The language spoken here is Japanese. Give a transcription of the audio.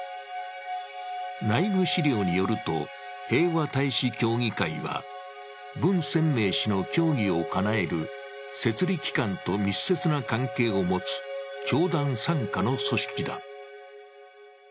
内部資料によると、平和大使協議会は文鮮明氏の教義をかなえる摂理機関と密接な関係を持つ教団傘下の組織だ。